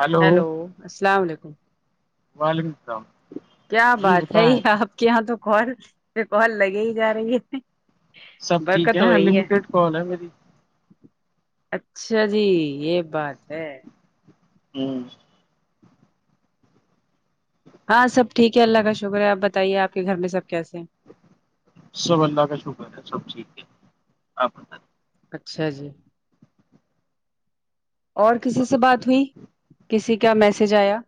Hello hello السلام علیکم وعلیکم السلام کیا جی بات ہے بتائیں آپ کے یہاں تو کال پہ کال لگے ہی جا رہی ہے سب ٹھیک برکت ہے ہو ان رہی لٹیڈ کال ہے میری اچھا جی یہ بات ہے ہمم ہاں سب ٹھیک ہے اللہ کا شکر ہے آپ بتائیے آپ کے گھر میں سب کیس ہیں سب اللہ کا شکر ہے سب ٹھیک ہے آپ بتایئں اچھا جی اور کسی سے بات بھی کسی کا میسج آیا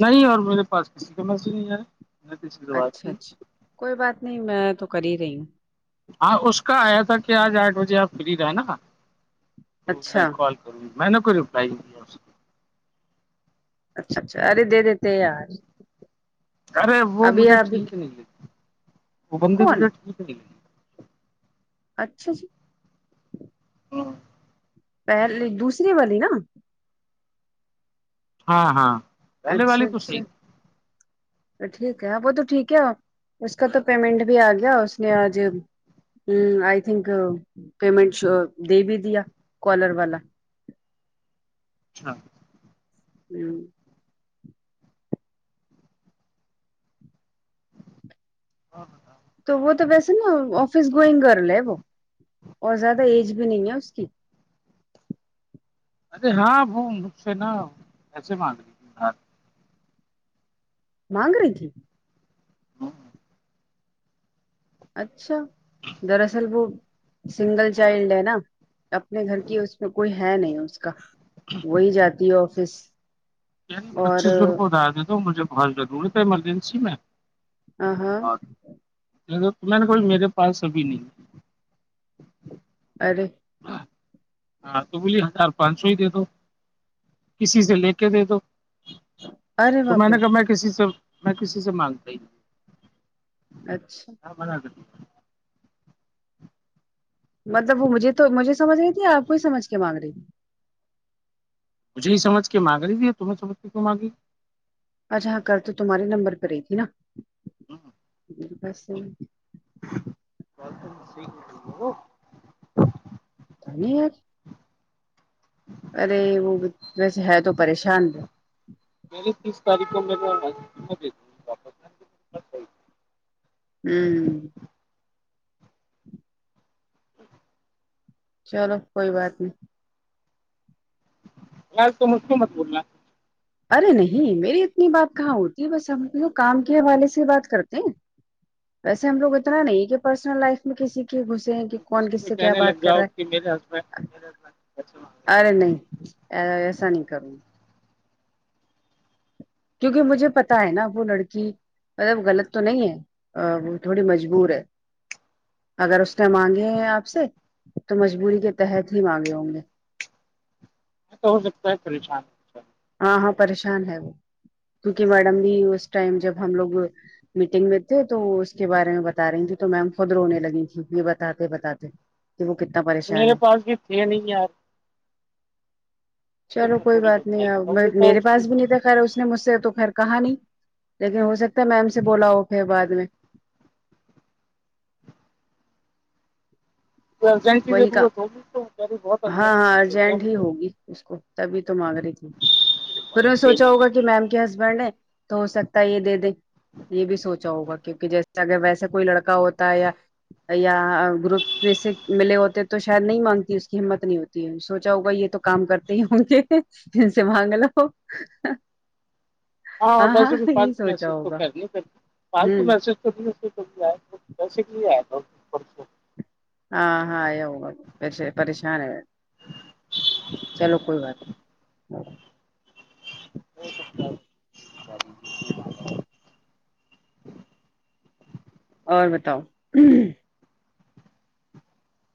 نہیں اور میرے پاس کسی کا میسج نہیں آیا نہ کسی سے بات اچھا کی اچھا کوئی بات نہیں میں تو کر ہی رہی ہوں ہاں اس کا آیا تھا کہ آج آٹھ بجے آپ فری رہے نا تو میں اچھا کال میں نا کچھ ریپلائی اچھا اچھا ارے دے دیتے یار ارے وہ ابھی مجھے ابھی ٹھیک نہیں لگی وہ بندی کون مجھے ٹھیک نہیں لگی اچھا جی پہلی دوسری والی نا ہاں ہاں پہلے اچھا والی تو اچھا صحیح ٹھیک ہے وہ تو ٹھیک ہے اس کا تو پیمنٹ بھی آ گیا اس نے آج ہوں آئی تھنک پیمنٹ ش دے بھی دیا کالر والا اچھا ہوں آ ہاں ہاں تو وہ تو ویسے نا آفس گوئنگ گرل ہے وہ اور زیادہ ایج بھی نہیں ہے اس کی ارے ہاں وہ مجھ سے نا پیسے مانگری مانگ رہی تھی تھی اچھا دراصل وہ سنگل چائلڈ ہے نا اپنے گھر کی اس میں کوئی ہے نہیں اس کا وہی جاتی ہے آفس اور پچیس سو روپئے ادھار دے دو مجھے بہت ضرورت ہے ایمرجنسی میں آ ہاں اور میں نے بولا میرے پاس ابھی نہیں ہے ارے ہاں تو بولی ہزار پانچ سو ہی دے دو کسی سے لے کے دے دو ارے تو میں باپ رے نے کہا میں کسی سے میں کسی سے مانگتا ہی نہیں اچھا [unintelligible] ہبنا کر مطلب وہ مجھے تو مجھے سمجھی رہی تھی آپ کو ہی سمجھ کے مانگ رہی تھی مجھے ہی سمجھ کے مانگ رہی تمہیں سمجھے کے کیوں مانگی اچھا ہاں کر تو تمہارے نمبر پہ رہی تھی نا ہاں یہ بھی بات صحیح ہے [unintelligible] [unintelligible] ارے وہ ویسے ہے تو پریشان [unintelligible] تیس تاریخ ہوں چلو کوئی بات نہیں اور تم اس کو مت بولنا ارے نہیں میری اتنی بات کہاں ہوتی ہے بس ہم کام کے حوالے سے بات کرتے ہیں ویسے ہم لوگ اتنا نہیں کہ پرسنل لائف میں کسی گھسے ہیں کہ تم کون کسی کس سے کیا کہنے بات لگ کر جاؤ رہا کہ میرے ہسبینڈ ہے میرے ہسبینڈ پیسے مانگ رہے ارے ہیں نہیں ایسا نہیں کروں کیونکہ مجھے پتا ہے نا وہ لڑکی مطلب غلط تو نہیں ہے وہ تھوڑی مجبور ہے اگر اس نے مانگے ہیں آپ سے تو مجبوری کے تحت ہی مانگے ہوں گے تو ہو سکتا ہے پریشان جائے۔ ہاں ہاں پریشان ہے وہ کیونکہ میڈم بھی اس ٹائم جب ہم لوگ میٹنگ میں تھے تو اس کے بارے میں بتا رہی تیں تو میم خود رونے لگی تھی یہ بتاتے بتاتے [unintelligible] میرے پاس بھی تھے نہیں یار چلو میں کوئی تھوڑی بات بہت نہیں ہیلپ آپ کر دیتا ہوں میرے اس پاس بھی کی نہیں تھا خھر اس نے مجھ سے تو خیر کہا نہیں لیکن ہو سکتا ہے میم سے بولا ہو پھر بعد میں جائتی وہی کا پورا س تو بھی بہت ہاں ارجنٹ ہاں ضرورت ہے ارجنٹ ہی ہوگی اس کو تبھی تو مانگ رہی تھی پھر ان نے مجھے سوچا ہوگا کہ میم کے ہسبینڈ ہے تو ہو سکتا ہے یہ دے دیں یہ بھی سوچا ہوگا کیونکہ جیسے اگر ویسے کوئی لڑکا ہوتا ہے یا یا گروپس ملے ہوتے تو شاید نہیں مانگتی اس کی ہمت نہیں ہوتی ہے سوچا ہوگا یہ تو کام کرتے ہی ہوں گے جن سے سے مانگ لو ہاں ویسے بھی یہ فالتو سوچا میسج تو ہوگا کر نہیں پتی فالتو ہوں میسج کبھی آئے پیسے کے لیے آئے پرچوں ہاں ہاں یہ پ پریشان ہے چلو کوئی بات نہیں [unintelligible] نہیں اور بتاؤ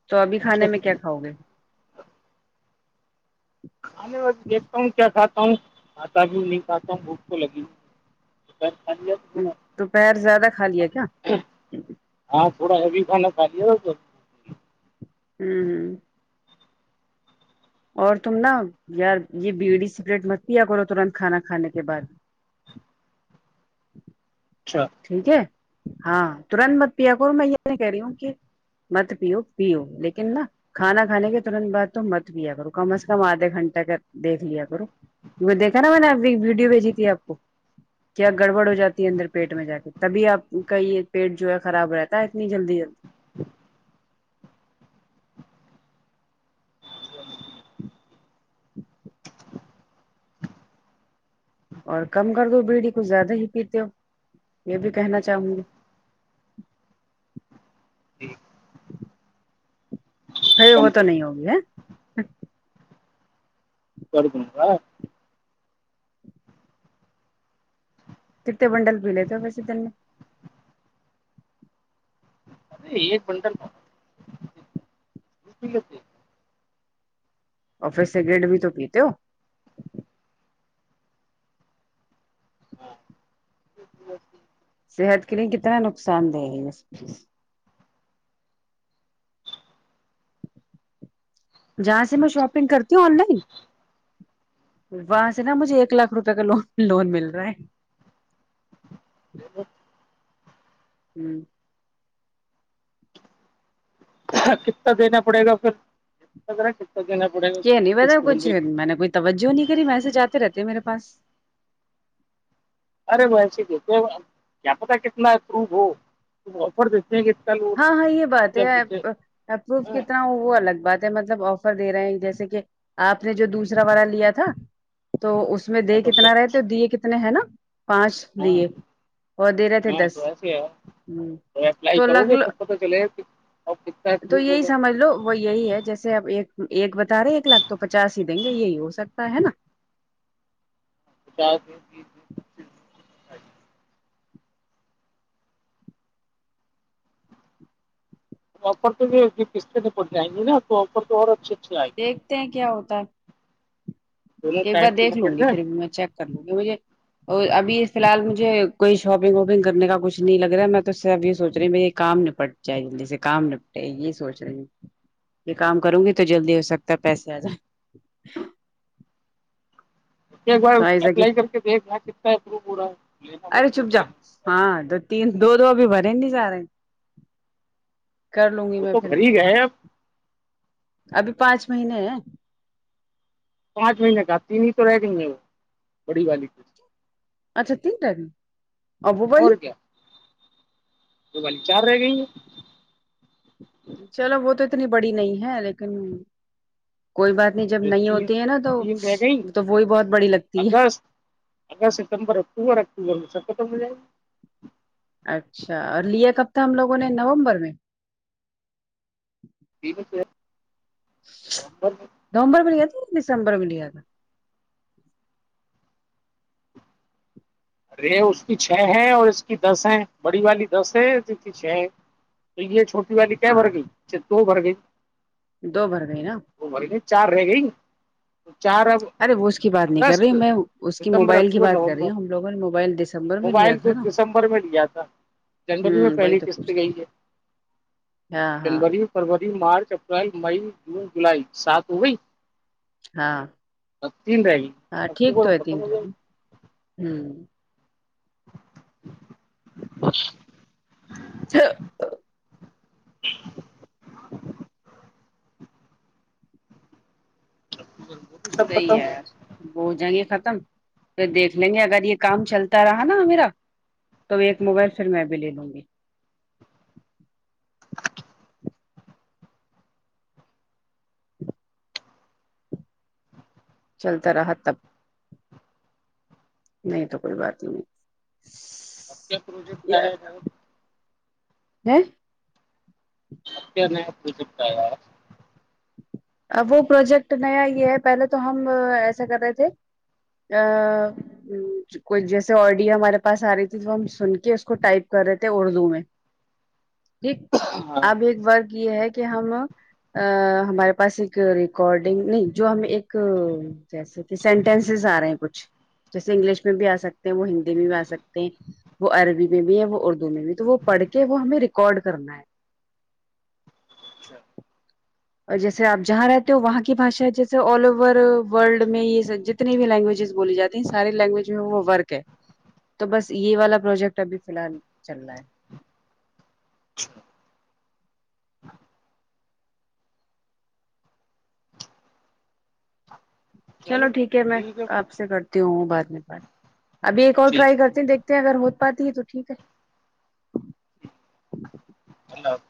تو ابھی کھانے اچھا میں کیا کھاؤ گے اممی بس دیکھتا ہوں کیا کاتا ہوں کھا بھی نہیں کاتا ہوں بھوک تو لگی [unintelligible] تو پہیر زیادہ کھا لیا کیا ہاں تھوڑا ابھی کھانا کھا لیا تھا س ہوں ہوں اور تم نا یار یہ بیڑی سپریٹ م پیا کرو ترنت کھانا کھانے کے بعد اچھا ٹھیک ہے ہاں ترنت مت پیا کرو میں یہ نہیں کہہ رہی ہوں کہ مت پیو پیو لیکن ن نہ کھانا کھانے کے ترنت بع تو مت بھییا کرو کم از کم آدھا گھنٹہ کا دھ لیا کرو کی دیکھا نا میں نے اب ایک ویڈیو بھیجی تھی آپ کو کیا گڑبڑ ہو جاتی ہے اندر پیٹ میں جا کے تبھی آپ کا یہ پیٹ جو ہے خراب ہو رہتا ہے اتنی جلدی جلی اور کم کر دو بیڑی کو زیادہ ہی پیتے ہو یہ بھی کہنا چاہوں گی جی ا کم وہ تو کر نہیں ہوگی ہے توکنا کتتے بنڈل پیلے تھ پسے نے ا ایک کنٹل اور پھر سگریٹ بھی تو پیتے ہو ہاں [unintelligible] صحت کے لیے کتنا نقصان دہ ہے اس جہاں سے میں شاپنگ کرتی ہوں آن لائن وہاں سے نا مجھے ایک لاکھ روپے کا ل لون مل رہا ہے [unintelligible] ھمم کتنا دینا پڑے گا پھرپتا کتنا دینا پڑے گا یہ کتنی نہیں پتا قسط کچھ ملے گی میں نے کوئی توجہ نہیں کری میسج آتے رہتے ہے میرے پاس ارے وہ ویسے ہی تو کیا پتا کتنا اپرووہو آفر دیتے [unintelligible] ہاں ہاں یہ اب بات جب ہے مجھے اپرو ہاں کتنا ہو وہ الگ بات مطلب آفر دے رہے ہیں جیسے کہ آپ نے جو دوسرا والا لیا تھا تو اس میں دے کتنا رہے تو دیے کتنے ہیں نا پانچ ہاں دیے اور دے رہے تھے ہاں دس تو ایسے ہے ھمم تو تو الگ پتا تو چلے کہ آپ تو یہی سمجھ لو وہ یہی ہے جیسے اب ایک ایک بتا رہے ایک لاکھ تو پچاس ہی دیں گے یہی ہو سکتا ہے نا کیا ا فر تو یہ پستے میں پڑ جائیں گی نا تو آفر تو اور اچھی اچھیے آئے دیکھتے ہیں کیا ہوتا ہے دونوں ایک ٹائم بار پہ دیکھ لوں نپٹ گی جائیں پھر بھی میں چیک کر لوں گی مجھے اور ابھی فیحال مجھے کوئی شاپنگ واپنگ کرنے کا کچھ نہیں لگ رہا ہے میں تو اس سے اب یہ سوچ رہی ہوں میرے یہ کام پٹ جائے جلدی سے کام نپٹے یہ سوچ رہے ہیں یہ کام کروں گی تو جلدی ہو سکتا ہے پیسے آجاۓ ایک بار تو ایسا کہ اپلائی کر کے دیکھنا کتنا اپروو ہو رہا ہے لینا ارے مت چپ جا لینا ہاں دو تین دو دو ابھی بھرے نہیں جا رہے کر لوں گی میں پھر بھی ہے آپ ابھی پانچ مہینے ہیں پانچ مہینے کا تین تو رہ گئی ہے وہ بڑی والی اچھا تین [unintelligible] اور وہ والی وہ والی چار رہ گئی ہے چلو وہ تو اتنی بڑی نہیں ہے لیکن کوئی بات نہیں جب ہیں نہیں تین ہوتی ہے نا تو تین رہ گئی تو وہی بہت بڑی لگتی ہے اگست اگست ستمبر اکتوبر اکتوبر میں سب ختم ہو جائے گا اچھا اور لیے کب تھا ہم لوگوں نے نومبر میں نومبر میں [unintelligible] نومبر میں لیا تھا یا دسمبر میں لیا تھا رے اس کی چھ ہے اور اس کی دس ہے بڑی والی دس ہے اس کی چھ ہے یہ چھوٹی والی کیا بھر ہاں گئیتو دو بھر گئی دو بھر گئے نا دو بھر ھمم گئی چار رہ گئی چار اب ارے وہ اس کی بات نہیں کر رہی اگست میں اس کی ستمبر موبائل کی اکتوبر بات کر رہی نومبر ہوں ہم لوگوں نے موبائل ستمبر میں لیا موبائل تھا تو نا دسمبر میں لیا تھا جنوری میں ھمم وہی پہلی تو قسط پوچھ رہی ہو گئی ہے ہاں جنوری فروری مارچ اپریل مئی جون جولائی سات ہو گئی ہاں سب تین رہ گی سب کو خت ہوھے ہوں [unintelligible] چھ سب صحیح ختم ہے وہ جائیں گے ختم پھر دیکھ لیں گے اگر یہ کام چلتا رہا نا میرا تو ایک موبائل پھر میں ا بھی لے لوں گی چلتا رہا تب نہیں تو کوئی بات ہی نہیں اب کیا پروجیکٹ یار ہے ہے اب کیا نیا پروجیکٹ ایا آب وہ پروجیکٹ نیا یہ ہے پہلے تو ہم ایسا کر رہے تھے ا کوئی جیسے آڈیو ہمارے پاس آ رہی تھی تو ہم سن کے اس کو ٹائپ کر رہے تھے اردو میں ایک ہاں اب ایک ورگ یہ ہے کہ ہم ا ہمارے پاس ایک ریکارڈنگ نہیں جو ہم ایک جیسے کہ سینٹینسز آ رہے ہیں کچھ جیسے انگلش میں بھی آ سکتے ہیں وہ ہندی میں بھی آ سکتے ہیں وہ عربی میں بھی ہے وہ اردو دو میں بھی تو وہ پڑھ کے وہ ہمیں ریکارڈ کرنا ہے اچھا جیسے آپ جہاں رہتے ہو وہاں کی بھشا ہے جیسے آل اوور ورلڈ میں یہ سج جتنی بھی لینگویجز بولی جاتی ہیں ساری لینگویج میں وہ ورک ہے تو بس یہ والا پروجیکٹ ابھی فی الحال چل رہا ہے چلو ٹھیک ہے میں آپ سے کرتی ہوں بعد میں بات ابھی ایک اور ٹھیک ٹرائی کرتی دیکھ تے ہیں اگر ہو پاتی ہے تو ٹھیک ہے اللہ حافظ